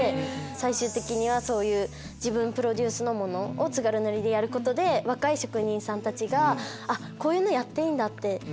最終的には自分プロデュースのものを津軽塗でやることで若い職人さんたちがこういうのやっていいんだって。